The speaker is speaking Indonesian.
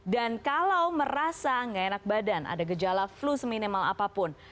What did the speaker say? dan kalau merasa nggak enak badan ada gejala flu seminimal apapun